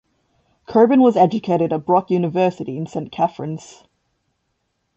Coburn was educated at Brock University in Saint Catharines.